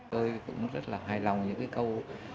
tôi cũng rất là hài lòng những cái câu